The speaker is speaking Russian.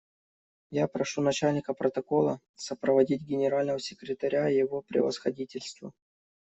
Я прошу Начальника протокола сопроводить Генерального секретаря Его Превосходительство.